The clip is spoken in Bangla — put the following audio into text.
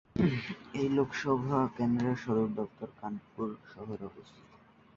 এই লোকসভা কেন্দ্রের সদর দফতর কানপুর শহরে অবস্থিত।